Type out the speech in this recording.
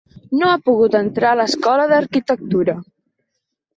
No ha pogut entrar a l'Escola d'Arquitectura.